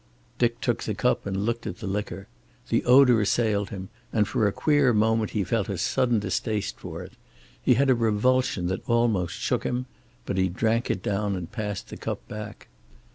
Dick took the cup and looked at the liquor. The odor assailed him, and for a queer moment he felt a sudden distaste for it. He had a revulsion that almost shook him. But he drank it down and passed the cup back.